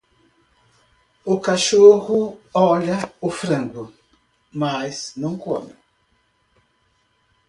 O cachorro olha o frango, mas não come